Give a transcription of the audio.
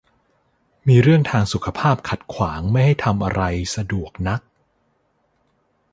มีเรื่องทางสุขภาพขัดขวางไม่ให้ทำอะไรสะดวกนัก